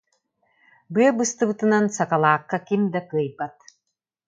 Быа быстыбытынан сакалаакка ким да кыайбат